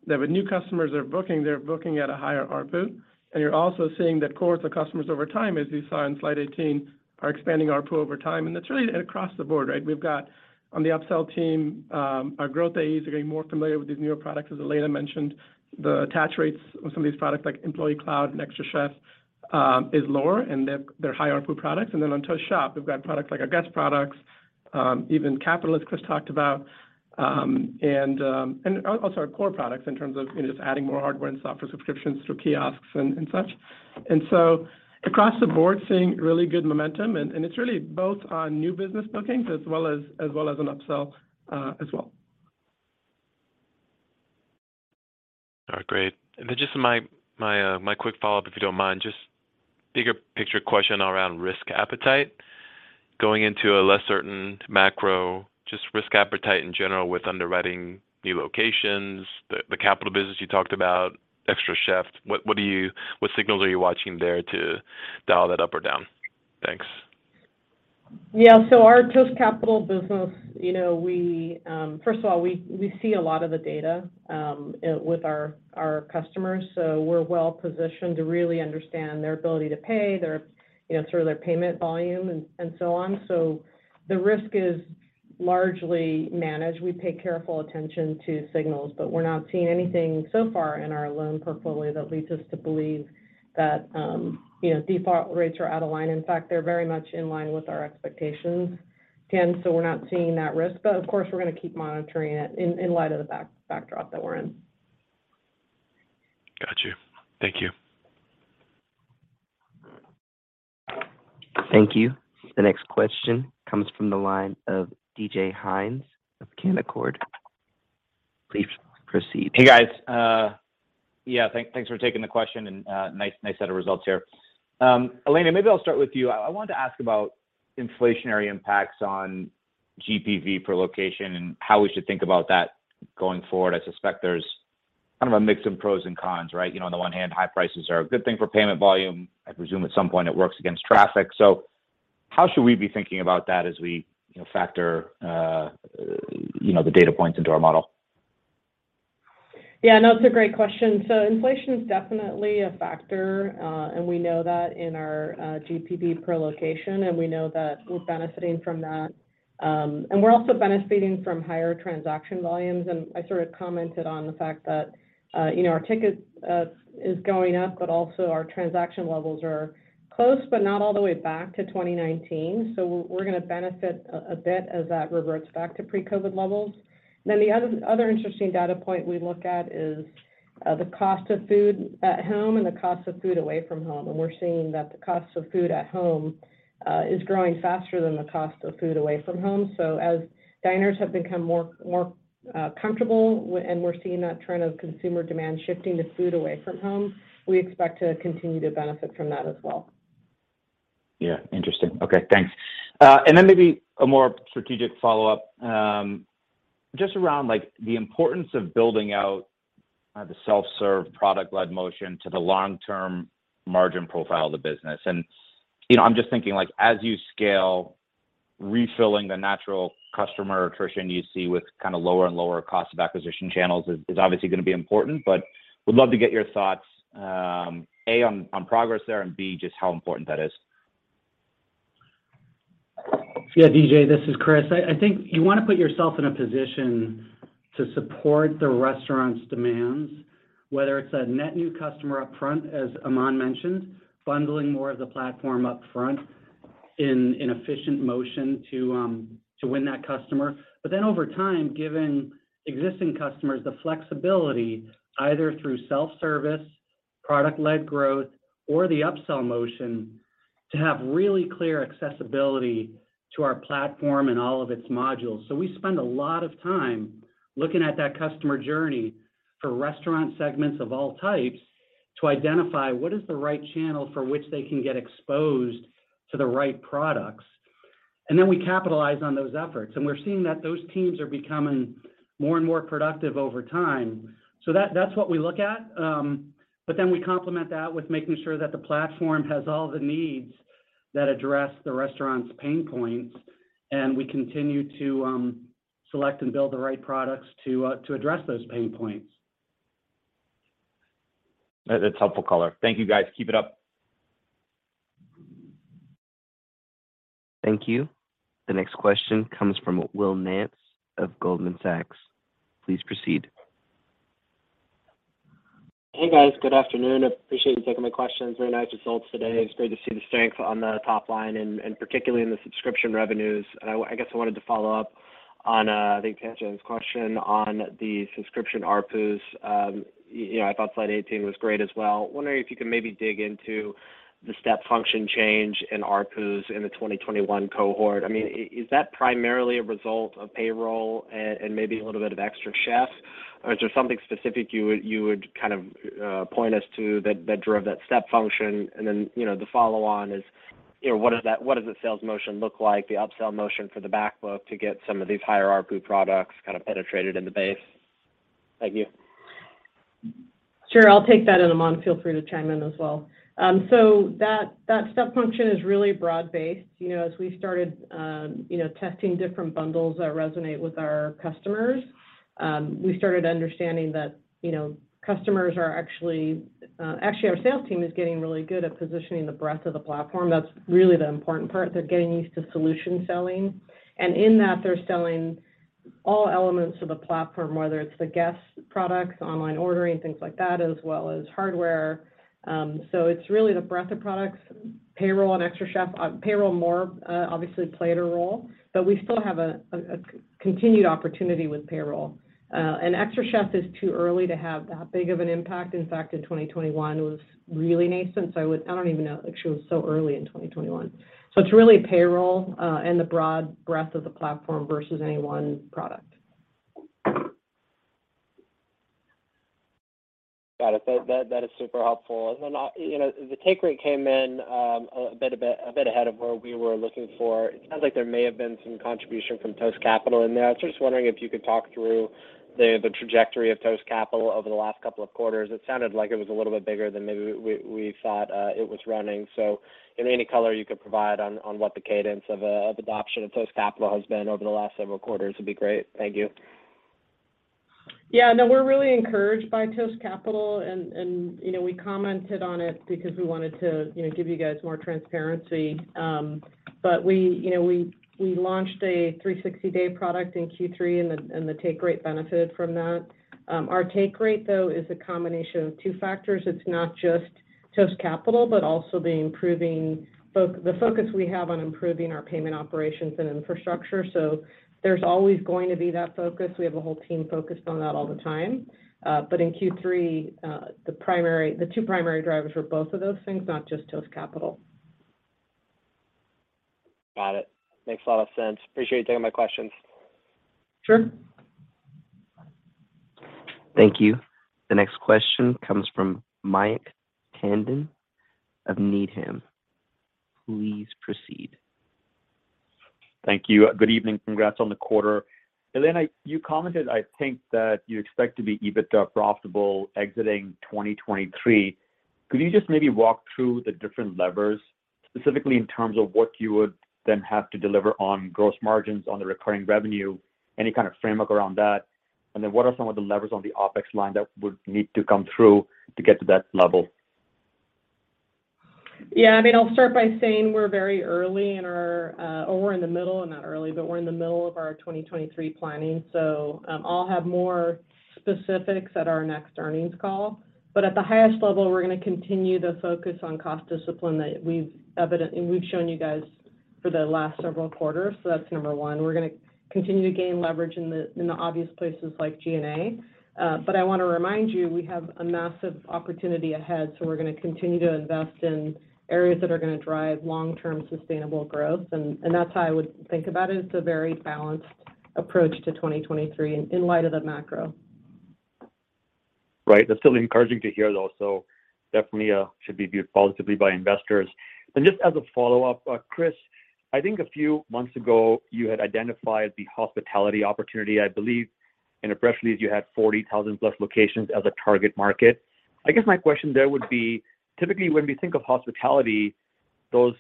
Speaker 6: that when new customers are booking, they're booking at a higher ARPU, and you're also seeing that cohorts of customers over time, as you saw in slide 18, are expanding ARPU over time. That's really across the board, right? We've got on the upsell team, our growth AEs are getting more familiar with these newer products, as Elena mentioned. The attach rates on some of these products, like Employee Cloud and xtraCHEF, is lower, and they're higher ARPU products. Then on Toast Shop, we've got products like our guest products, even Capital Chris talked about, and also our core products in terms of, you know, just adding more hardware and software subscriptions through kiosks and such. So across the board, seeing really good momentum and it's really both on new business bookings as well as an upsell, as well.
Speaker 5: All right, great. Just my quick follow-up, if you don't mind, just bigger picture question around risk appetite. Going into a less certain macro, just risk appetite in general with underwriting new locations, the capital business you talked about, xtraCHEF. What signals are you watching there to dial that up or down? Thanks.
Speaker 4: Yeah. Our Toast Capital business, you know, first of all, we see a lot of the data with our customers, so we're well positioned to really understand their ability to pay, you know, sort of their payment volume and so on. The risk is largely managed. We pay careful attention to signals, but we're not seeing anything so far in our loan portfolio that leads us to believe that default rates are out of line. In fact, they're very much in line with our expectations, Tien, so we're not seeing that risk. Of course, we're going to keep monitoring it in light of the backdrop that we're in.
Speaker 5: Got you. Thank you.
Speaker 1: Thank you. The next question comes from the line of DJ Hynes of Canaccord. Please proceed.
Speaker 7: Hey, guys. Yeah, thanks for taking the question and nice set of results here. Elena, maybe I'll start with you. I wanted to ask about inflationary impacts on GPV per location and how we should think about that going forward. I suspect there's kind of a mix of pros and cons, right? You know, on the one hand, high prices are a good thing for payment volume. I presume at some point it works against traffic. How should we be thinking about that as we, you know, factor, you know, the data points into our model?
Speaker 4: Yeah. No, it's a great question. Inflation is definitely a factor, and we know that in our GPV per location, and we know that we're benefiting from that. We're also benefiting from higher transaction volumes, and I sort of commented on the fact that, you know, our ticket is going up, but also our transaction levels are close, but not all the way back to 2019. We're gonna benefit a bit as that reverts back to pre-COVID levels. The other interesting data point we look at is the cost of food at home and the cost of food away from home. We're seeing that the cost of food at home is growing faster than the cost of food away from home. As diners have become more comfortable and we're seeing that trend of consumer demand shifting to food away from home, we expect to continue to benefit from that as well.
Speaker 7: Yeah. Interesting. Okay, thanks. Then maybe a more strategic follow-up, just around like the importance of building out the self-serve product-led motion to the long-term margin profile of the business. You know, I'm just thinking like, as you scale, refilling the natural customer attrition you see with kind of lower and lower cost of acquisition channels is obviously going to be important. Would love to get your thoughts, A, on progress there, and B, just how important that is.
Speaker 3: Yeah. DJ, this is Chris. I think you want to put yourself in a position to support the restaurant's demands, whether it's a net new customer up front, as Aman mentioned, bundling more of the platform up front in efficient motion to win that customer. Then over time, giving existing customers the flexibility, either through self-service, product-led growth, or the upsell motion to have really clear accessibility to our platform and all of its modules. We spend a lot of time looking at that customer journey for restaurant segments of all types to identify what is the right channel for which they can get exposed to the right products. We capitalize on those efforts. We're seeing that those teams are becoming more and more productive over time. That's what we look at. We complement that with making sure that the platform has all the needs that address the restaurant's pain points, and we continue to select and build the right products to address those pain points.
Speaker 7: That's helpful color. Thank you, guys. Keep it up.
Speaker 1: Thank you. The next question comes from Will Nance of Goldman Sachs. Please proceed.
Speaker 8: Hey, guys. Good afternoon. Appreciate you taking my questions. Very nice results today. It's great to see the strength on the top line and particularly in the subscription revenues. I guess I wanted to follow up on, I think Tien-tsin's question on the subscription ARPU. You know, I thought slide 18 was great as well. Wondering if you can maybe dig into the step function change in ARPUs in the 2021 cohort, I mean, is that primarily a result of payroll and maybe a little bit of xtraCHEF? Or is there something specific you would kind of point us to that drove that step function? You know, the follow on is, you know, what does the sales motion look like, the upsell motion for the back book to get some of these higher ARPU products kind of penetrated in the base? Thank you.
Speaker 4: Sure. I'll take that, and Aman, feel free to chime in as well. So that step function is really broad-based. You know, as we started testing different bundles that resonate with our customers, we started understanding that our sales team is getting really good at positioning the breadth of the platform. That's really the important part. They're getting used to solution selling. In that, they're selling all elements of the platform, whether it's the guest products, online ordering, things like that, as well as hardware. So it's really the breadth of products. Payroll and xtraCHEF. Payroll more obviously played a role, but we still have a continued opportunity with payroll. xtraCHEF is too early to have that big of an impact. In fact, in 2021 it was really nascent. I don't even know. Like, she was so early in 2021. It's really payroll and the broad breadth of the platform versus any one product.
Speaker 8: Got it. That is super helpful. You know, the take rate came in a bit ahead of where we were looking for. It sounds like there may have been some contribution from Toast Capital in there. I'm just wondering if you could talk through the trajectory of Toast Capital over the last couple of quarters. It sounded like it was a little bit bigger than maybe we thought it was running. Any color you could provide on what the cadence of adoption of Toast Capital has been over the last several quarters would be great. Thank you.
Speaker 4: Yeah, no, we're really encouraged by Toast Capital and you know, we commented on it because we wanted to, you know, give you guys more transparency. We you know, we launched a 360-day product in Q3, and the take rate benefited from that. Our take rate, though, is a combination of two factors. It's not just Toast Capital, but also the improving focus we have on improving our payment operations and infrastructure. There's always going to be that focus. We have a whole team focused on that all the time. In Q3, the two primary drivers were both of those things, not just Toast Capital.
Speaker 8: Got it. Makes a lot of sense. Appreciate you taking my questions.
Speaker 4: Sure.
Speaker 1: Thank you. The next question comes from Mayank Tandon of Needham. Please proceed.
Speaker 9: Thank you. Good evening. Congrats on the quarter. Elena, you commented, I think, that you expect to be EBITDA profitable exiting 2023. Could you just maybe walk through the different levers, specifically in terms of what you would then have to deliver on gross margins on the recurring revenue, any kind of framework around that? Then what are some of the levers on the OpEx line that would need to come through to get to that level?
Speaker 4: Yeah, I mean, I'll start by saying we're in the middle of our 2023 planning. I'll have more specifics at our next earnings call. At the highest level, we're going to continue to focus on cost discipline that we've shown you guys for the last several quarters. That's number one. We're gonna continue to gain leverage in the obvious places like G&A. I want to remind you, we have a massive opportunity ahead, so we're going to continue to invest in areas that are going to drive long-term sustainable growth. That's how I would think about it. It's a very balanced approach to 2023 in light of the macro.
Speaker 9: Right. That's certainly encouraging to hear, though, so definitely should be viewed positively by investors. Just as a follow-up, Chris, I think a few months ago, you had identified the hospitality opportunity. I believe in a press release you had 40,000+ locations as a target market. I guess my question there would be, typically, when we think of hospitality, those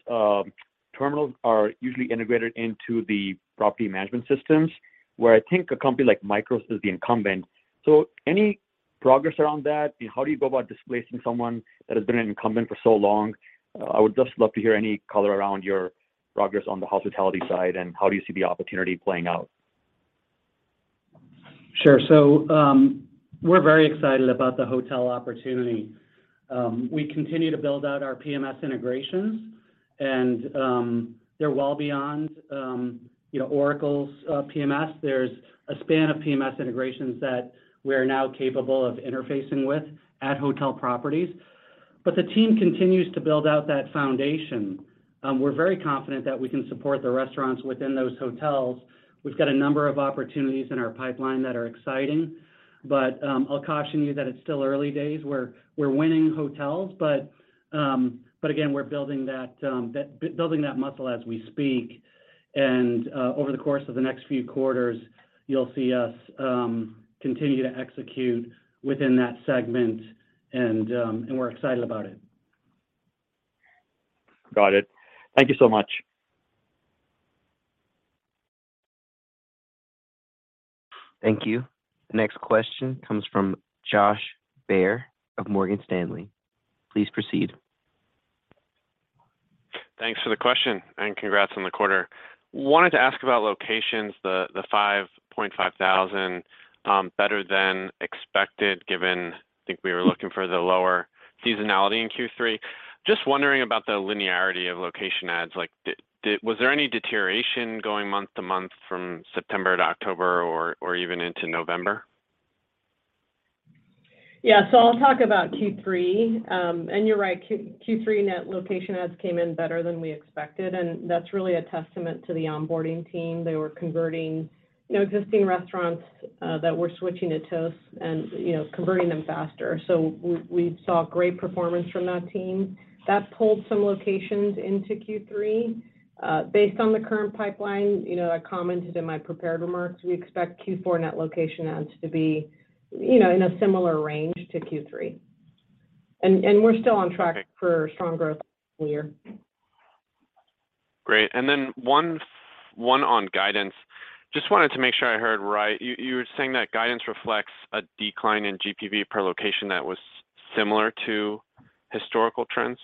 Speaker 9: terminals are usually integrated into the property management systems, where I think a company like MICROS is the incumbent. So any progress around that? How do you go about displacing someone that has been an incumbent for so long? I would just love to hear any color around your progress on the hospitality side and how do you see the opportunity playing out.
Speaker 3: Sure. We're very excited about the hotel opportunity. We continue to build out our PMS integrations, and they're well beyond, you know, Oracle's PMS. There's a span of PMS integrations that we are now capable of interfacing with at hotel properties. The team continues to build out that foundation. We're very confident that we can support the restaurants within those hotels. We've got a number of opportunities in our pipeline that are exciting, but I'll caution you that it's still early days. We're winning hotels, but again, we're building that building that muscle as we speak. Over the course of the next few quarters, you'll see us continue to execute within that segment, and we're excited about it.
Speaker 9: Got it. Thank you so much.
Speaker 1: Thank you. The next question comes from Josh Baer of Morgan Stanley. Please proceed.
Speaker 10: Thanks for the question, and congrats on the quarter. Wanted to ask about locations, the 5,500, better than expected, given I think we were looking for the lower seasonality in Q3. Just wondering about the linearity of location adds. Like, was there any deterioration going month-to-month from September to October or even into November?
Speaker 4: Yeah. I'll talk about Q3. You're right, Q3 net location adds came in better than we expected, and that's really a testament to the onboarding team. They were converting, you know, existing restaurants that were switching to Toast and, you know, converting them faster. We saw great performance from that team. That pulled some locations into Q3. Based on the current pipeline, you know, I commented in my prepared remarks, we expect Q4 net location adds to be, you know, in a similar range to Q3. We're still on track for strong growth for the year.
Speaker 10: Great. One on guidance. Just wanted to make sure I heard right. You were saying that guidance reflects a decline in GPV per location that was similar to historical trends?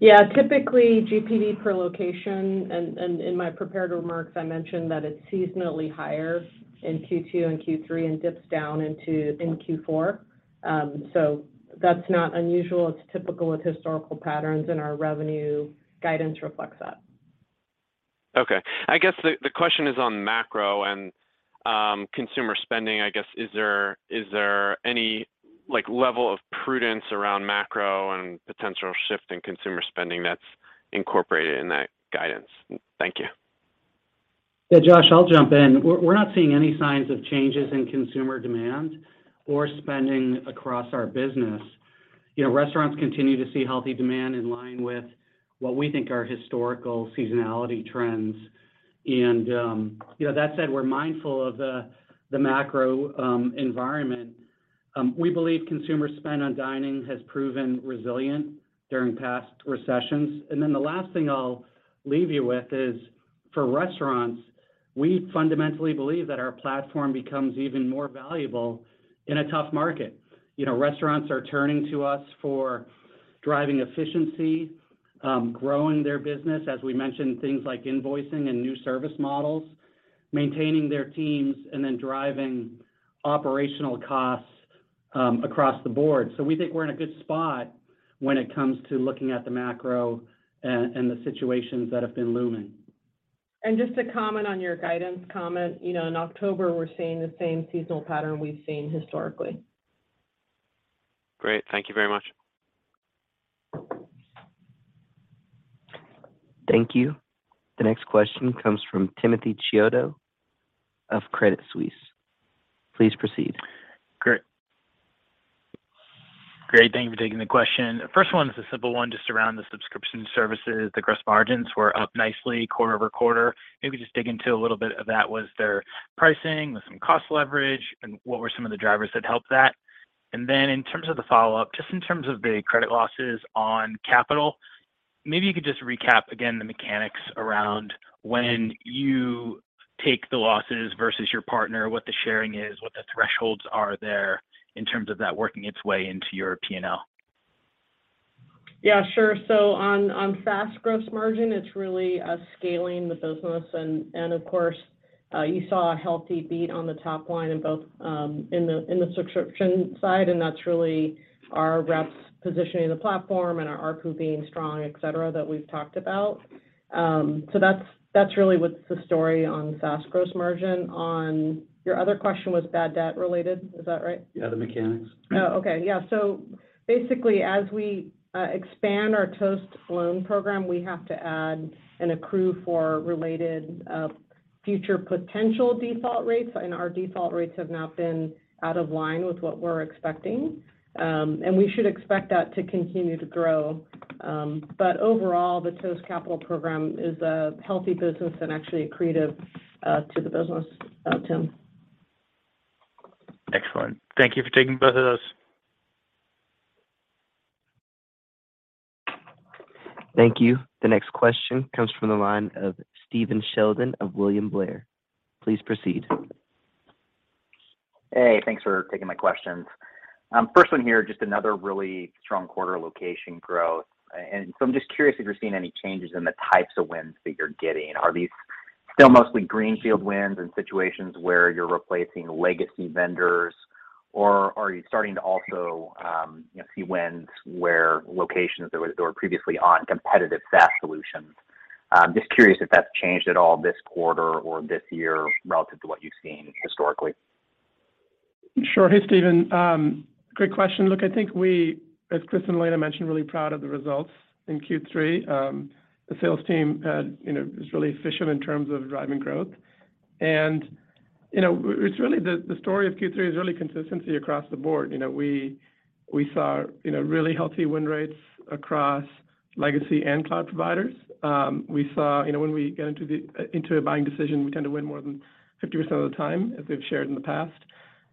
Speaker 4: Yeah. Typically, GPV per location, and in my prepared remarks, I mentioned that it's seasonally higher in Q2 and Q3 and dips down into Q4. So that's not unusual. It's typical with historical patterns, and our revenue guidance reflects that.
Speaker 10: Okay. I guess the question is on macro and consumer spending. I guess, is there any, like, level of prudence around macro and potential shift in consumer spending that's incorporated in that guidance? Thank you.
Speaker 3: Yeah, Josh, I'll jump in. We're not seeing any signs of changes in consumer demand or spending across our business. You know, restaurants continue to see healthy demand in line with what we think are historical seasonality trends. You know, that said, we're mindful of the macro environment. We believe consumer spend on dining has proven resilient during past recessions. Then the last thing I'll leave you with is, for restaurants, we fundamentally believe that our platform becomes even more valuable in a tough market. You know, restaurants are turning to us for driving efficiency, growing their business, as we mentioned, things like invoicing and new service models, maintaining their teams, and then driving operational costs across the board. We think we're in a good spot when it comes to looking at the macro, and the situations that have been looming.
Speaker 4: Just to comment on your guidance comment. You know, in October, we're seeing the same seasonal pattern we've seen historically.
Speaker 10: Great. Thank you very much.
Speaker 1: Thank you. The next question comes from Timothy Chiodo of Credit Suisse. Please proceed.
Speaker 11: Great. Thank you for taking the question. First one is a simple one, just around the subscription services. The gross margins were up nicely quarter-over-quarter. Maybe just dig into a little bit of that. Was there pricing? Was there some cost leverage? And what were some of the drivers that helped that? Then in terms of the follow-up, just in terms of the credit losses on Capital, maybe you could just recap again the mechanics around when you take the losses versus your partner, what the sharing is, what the thresholds are there in terms of that working its way into your P&L.
Speaker 4: Yeah, sure. On SaaS gross margin, it's really us scaling the business. Of course, you saw a healthy beat on the top line in both, in the subscription side, and that's really our reps positioning the platform and our ARPU being strong, et cetera, that we've talked about. That's really what's the story on SaaS gross margin. On your other question was bad debt related. Is that right?
Speaker 3: Yeah, the mechanics.
Speaker 4: Basically, as we expand our Toast loan program, we have to add and accrue for related future potential default rates, and our default rates have not been out of line with what we're expecting. We should expect that to continue to grow. Overall, the Toast Capital program is a healthy business and actually accretive to the business, Tim.
Speaker 11: Excellent. Thank you for taking both of those.
Speaker 1: Thank you. The next question comes from the line of Stephen Sheldon of William Blair. Please proceed.
Speaker 12: Hey, thanks for taking my questions. First one here, just another really strong quarter location growth. I'm just curious if you're seeing any changes in the types of wins that you're getting. Are these still mostly greenfield wins and situations where you're replacing legacy vendors, or are you starting to also, you know, see wins where locations that were previously on competitive SaaS solutions? Just curious if that's changed at all this quarter or this year relative to what you've seen historically.
Speaker 6: Sure. Hey, Stephen. Great question. Look, I think we, as Chris and Elena mentioned, really proud of the results in Q3. The sales team had, you know, is really efficient in terms of driving growth. You know, really, the story of Q3 is really consistency across the board. You know, we saw, you know, really healthy win rates across legacy and cloud providers. We saw, you know, when we get into into a buying decision, we tend to win more than 50% of the time, as we've shared in the past.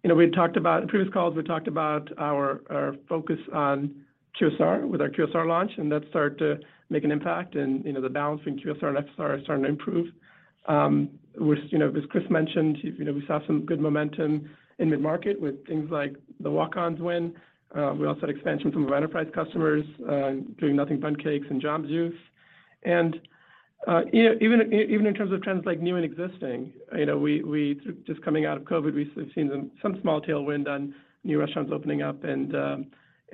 Speaker 6: You know, we talked about in previous calls, we talked about our focus on QSR with our QSR launch, and that started to make an impact. You know, the balance between QSR and FSR is starting to improve. Which, you know, as Chris mentioned, you know, we saw some good momentum in mid-market with things like the Walk-On's win. We also had expansion from our enterprise customers, doing Nothing Bundt Cakes and Jamba Juice. Even in terms of trends like new and existing, you know, we just coming out of COVID, we've seen some small tailwind on new restaurants opening up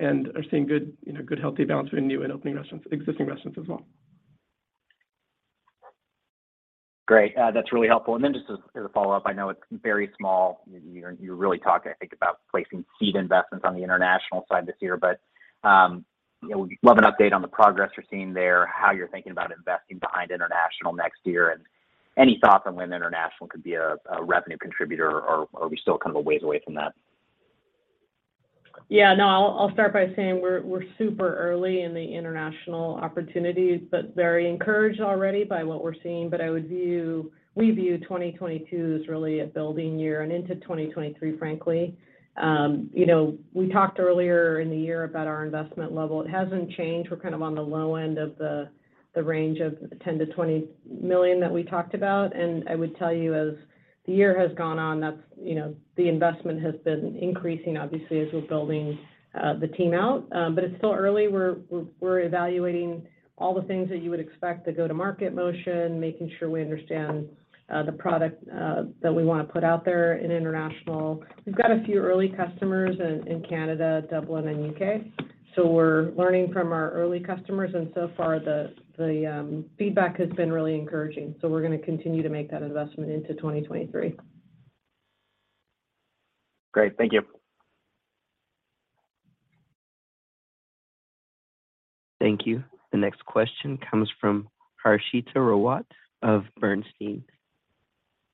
Speaker 6: and are seeing good, you know, healthy balance between new and existing restaurants as well.
Speaker 12: Great. That's really helpful. Just as a follow-up, I know it's very small. You're really talking, I think, about placing seed investments on the international side this year. You know, would love an update on the progress you're seeing there, how you're thinking about investing behind international next year, and any thoughts on when international could be a revenue contributor, or are we still kind of a ways away from that?
Speaker 4: Yeah. No, I'll start by saying we're super early in the international opportunities, but very encouraged already by what we're seeing. We view 2022 as really a building year, and into 2023, frankly. You know, we talked earlier in the year about our investment level. It hasn't changed. We're kind of on the low end of the range of $10 million-$20 million that we talked about. I would tell you, as the year has gone on, that's, you know, the investment has been increasing obviously as we're building the team out. But it's still early. We're evaluating all the things that you would expect: the go-to-market motion, making sure we understand the product that we wanna put out there in international. We've got a few early customers in Canada, Dublin, and U.K., so we're learning from our early customers, and so far the feedback has been really encouraging. We're gonna continue to make that investment into 2023.
Speaker 12: Great. Thank you.
Speaker 1: Thank you. The next question comes from Harshita Rawat of Bernstein.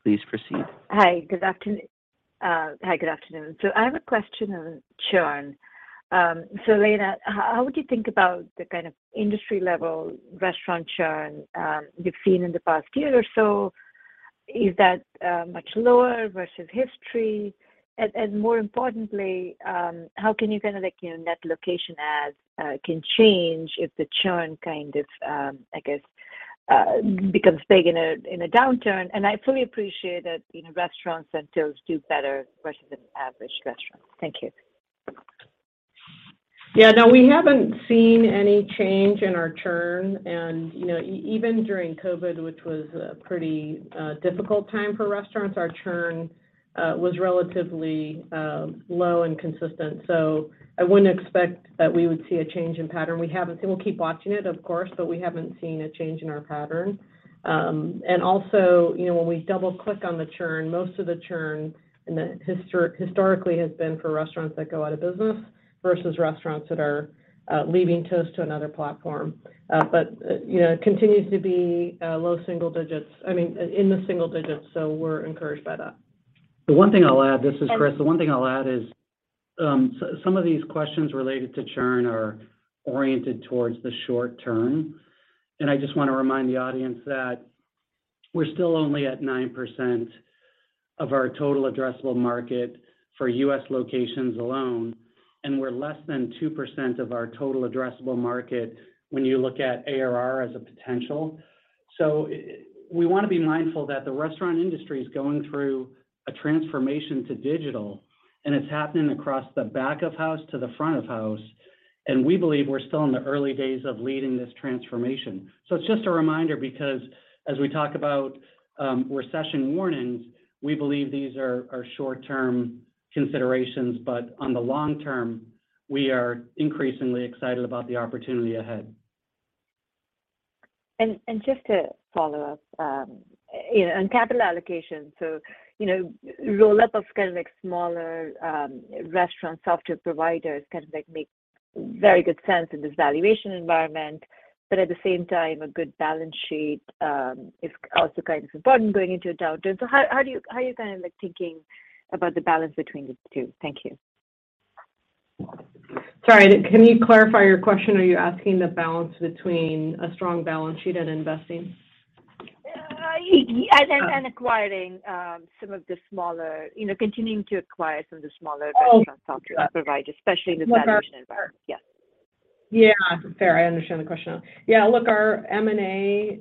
Speaker 1: Please proceed.
Speaker 13: Hi. Good afternoon. I have a question on churn. Elena, how would you think about the kind of industry-level restaurant churn you've seen in the past year or so? Is that much lower versus history? And more importantly, how can you kinda like, you know, net location adds can change if the churn kind of, I guess, becomes big in a downturn? I fully appreciate that, you know, restaurants and tills do better versus an average restaurant. Thank you.
Speaker 4: Yeah, no, we haven't seen any change in our churn. You know, even during COVID, which was a pretty difficult time for restaurants, our churn was relatively low and consistent. I wouldn't expect that we would see a change in pattern. We'll keep watching it, of course, but we haven't seen a change in our pattern. Also, you know, when we double-click on the churn, most of the churn historically has been for restaurants that go out of business versus restaurants that are leaving Toast to another platform. You know, it continues to be low single digits. I mean, in the single digits, so we're encouraged by that.
Speaker 3: The one thing I'll add, this is Chris. The one thing I'll add is, some of these questions related to churn are oriented towards the short term, and I just wanna remind the audience that we're still only at 9% of our total addressable market for U.S. locations alone, and we're less than 2% of our total addressable market when you look at ARR as a potential. We wanna be mindful that the restaurant industry is going through a transformation to digital, and it's happening across the back of house to the front of house, and we believe we're still in the early days of leading this transformation. It's just a reminder because as we talk about, recession warnings, we believe these are short-term considerations, but on the long term, we are increasingly excited about the opportunity ahead.
Speaker 13: Just to follow up, you know, on capital allocation. You know, roll up of kind of like smaller restaurant software providers kind of like make very good sense in this valuation environment, but at the same time, a good balance sheet is also kind of important going into a downturn. How are you kinda like thinking about the balance between the two? Thank you.
Speaker 4: Sorry, can you clarify your question? Are you asking the balance between a strong balance sheet and investing?
Speaker 13: Acquiring some of the smaller, you know, continuing to acquire some of the smaller-
Speaker 4: Oh.
Speaker 13: -restaurant software providers, especially in this valuation environment.
Speaker 4: Got it.
Speaker 13: Yeah.
Speaker 4: Yeah. Fair. I understand the question now. Yeah. Look, our M&A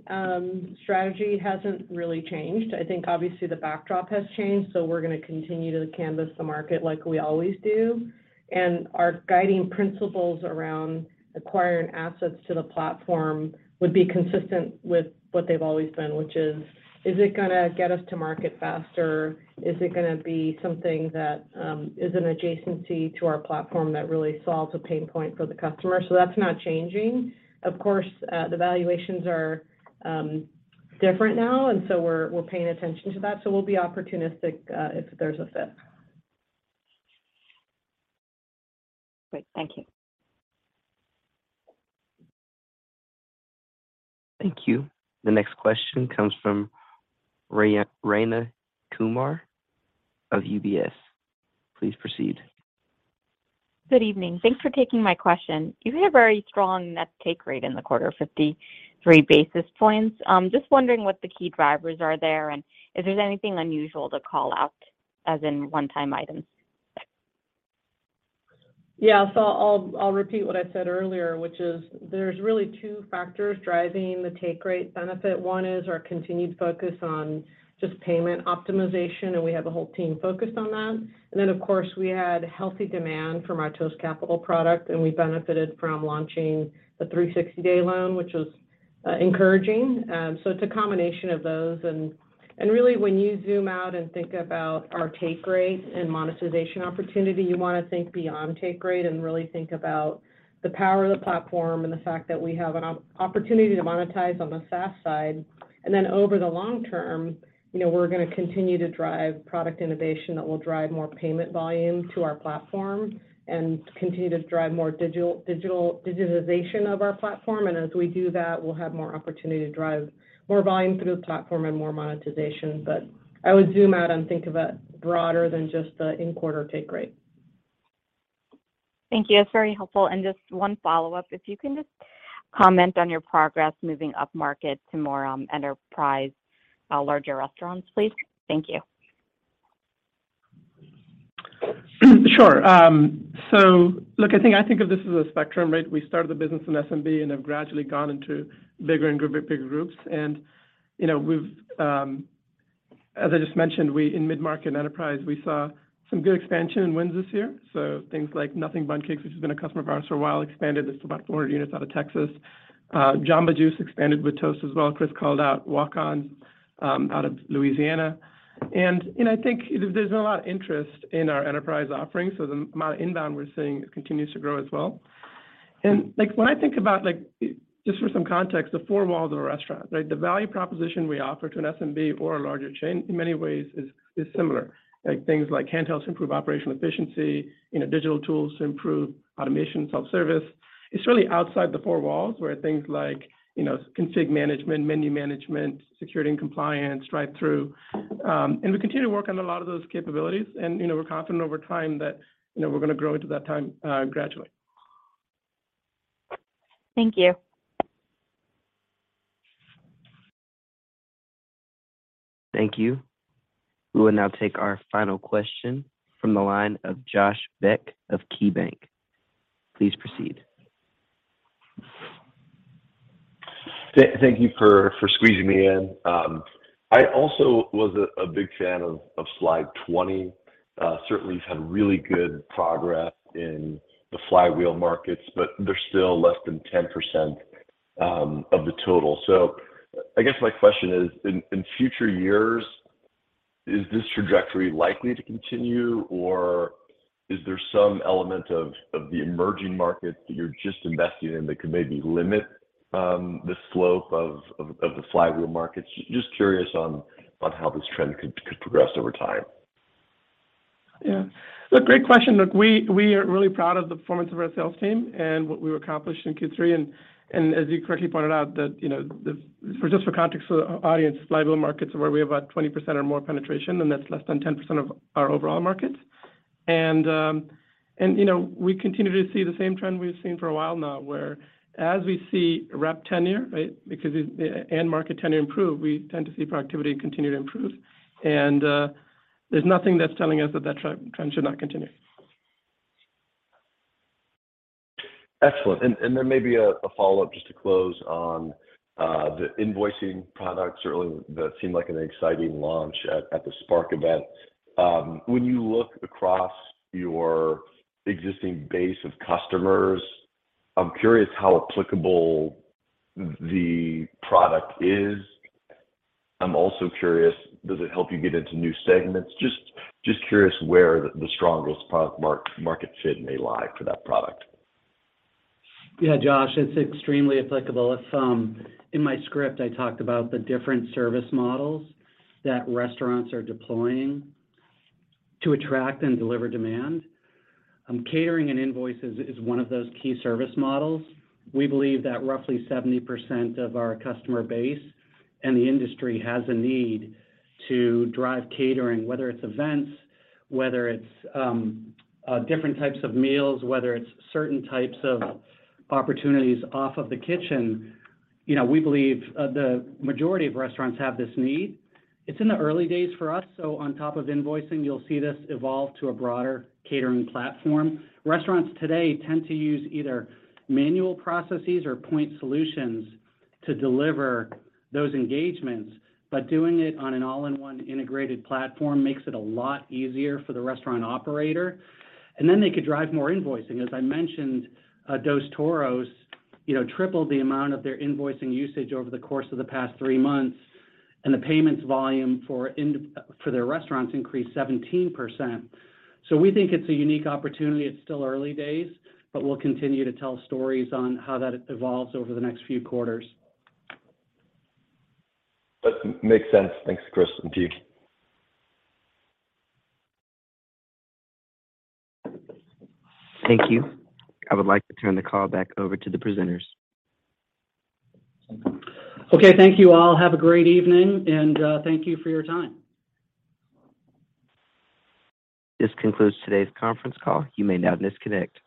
Speaker 4: strategy hasn't really changed. I think obviously the backdrop has changed, so we're gonna continue to canvas the market like we always do, and our guiding principles around acquiring assets to the platform would be consistent with what they've always been, which is. Is it gonna get us to market faster? Is it gonna be something that is an adjacency to our platform that really solves a pain point for the customer? So that's not changing. Of course, the valuations are different now, and so we're paying attention to that. So we'll be opportunistic if there's a fit.
Speaker 13: Great. Thank you.
Speaker 1: Thank you. The next question comes from Rayna Kumar of UBS. Please proceed.
Speaker 14: Good evening. Thanks for taking my question. You had a very strong net take rate in the quarter, 53 basis points. Just wondering what the key drivers are there, and if there's anything unusual to call out as in one-time items.
Speaker 4: Yeah. I'll repeat what I said earlier, which is there's really two factors driving the take rate benefit. One is our continued focus on just payment optimization, and we have a whole team focused on that. Of course, we had healthy demand from our Toast Capital product, and we benefited from launching the 360-day loan, which was encouraging. It's a combination of those. Really when you zoom out and think about our take rate and monetization opportunity, you want to think beyond take rate and really think about the power of the platform and the fact that we have an opportunity to monetize on the SaaS side. Then over the long term, you know, we're gonna continue to drive product innovation that will drive more payment volume to our platform and continue to drive more digital digitization of our platform. As we do that, we'll have more opportunity to drive more volume through the platform and more monetization. I would zoom out and think of it broader than just the in-quarter take rate.
Speaker 14: Thank you. That's very helpful. Just one follow-up, if you can just comment on your progress moving upmarket to more, enterprise, larger restaurants, please. Thank you.
Speaker 6: Sure. So look, I think of this as a spectrum, right? We started the business in SMB and have gradually gone into bigger and bigger groups. As I just mentioned, in mid-market enterprise, we saw some good expansion and wins this year. Things like Nothing Bundt Cakes, which has been a customer of ours for a while, expanded. It's about 400 units out of Texas. Jamba Juice expanded with Toast as well. Chris called out Walk-On's out of Louisiana. I think there's been a lot of interest in our enterprise offerings, so the amount of inbound we're seeing continues to grow as well. When I think about just for some context, the four walls of a restaurant, right? The value proposition we offer to an SMB or a larger chain in many ways is similar. Like things like handhelds improve operational efficiency, you know, digital tools to improve automation, self-service. It's really outside the four walls where things like, you know, config management, menu management, security and compliance, drive-thru, and we continue to work on a lot of those capabilities. You know, we're confident over time that, you know, we're gonna grow into that time gradually.
Speaker 14: Thank you.
Speaker 1: Thank you. We will now take our final question from the line of Josh Beck of KeyBanc. Please proceed.
Speaker 15: Thank you for squeezing me in. I also was a big fan of slide 20. Certainly you've had really good progress in the flywheel markets, but they're still less than 10% of the total. I guess my question is, in future years, is this trajectory likely to continue, or is there some element of the emerging markets that you're just investing in that could maybe limit the slope of the flywheel markets? Just curious on how this trend could progress over time.
Speaker 6: Yeah. Look, great question. Look, we are really proud of the performance of our sales team and what we've accomplished in Q3. As you correctly pointed out that, you know, just for context for the audience, flywheel markets are where we have about 20% or more penetration, and that's less than 10% of our overall market. You know, we continue to see the same trend we've seen for a while now, whereas we see rep tenure, right, because it and market tenure improve, we tend to see productivity continue to improve. There's nothing that's telling us that trend should not continue.
Speaker 15: Excellent. Maybe a follow-up just to close on the invoicing product. Certainly that seemed like an exciting launch at the Spark event. When you look across your existing base of customers, I'm curious how applicable the product is. I'm also curious, does it help you get into new segments? Just curious where the strongest product-market fit may lie for that product.
Speaker 3: Yeah, Josh, it's extremely applicable. In my script, I talked about the different service models that restaurants are deploying to attract and deliver demand. Catering and invoices is one of those key service models. We believe that roughly 70% of our customer base and the industry has a need to drive catering, whether it's events, whether it's different types of meals, whether it's certain types of opportunities off of the kitchen. You know, we believe the majority of restaurants have this need. It's in the early days for us, so on top of invoicing, you'll see this evolve to a broader catering platform. Restaurants today tend to use either manual processes or point solutions to deliver those engagements, but doing it on an all-in-one integrated platform makes it a lot easier for the restaurant operator, and then they could drive more invoicing. As I mentioned, Dos Toros, you know, tripled the amount of their invoicing usage over the course of the past three months, and the payments volume for their restaurants increased 17%. We think it's a unique opportunity. It's still early days, but we'll continue to tell stories on how that evolves over the next few quarters.
Speaker 15: That makes sense. Thanks, Chris and team.
Speaker 1: Thank you. I would like to turn the call back over to the presenters.
Speaker 3: Okay. Thank you all. Have a great evening, and thank you for your time.
Speaker 1: This concludes today's conference call. You may now disconnect.